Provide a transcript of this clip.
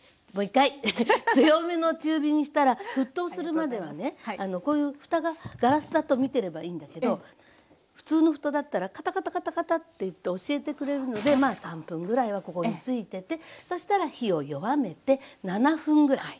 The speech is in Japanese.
強めの中火にしたら沸騰するまではねこういうふたがガラスだと見てればいいんだけど普通のふただったらカタカタカタカタっていって教えてくれるのでまあ３分ぐらいはここについててそしたら火を弱めて７分ぐらい。